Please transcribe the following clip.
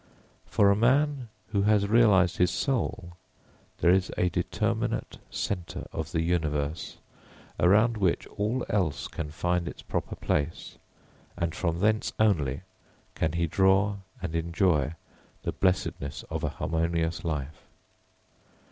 For a man who has realised his soul there is a determinate centre of the universe around which all else can find its proper place, and from thence only can he draw and enjoy the blessedness of a harmonious life.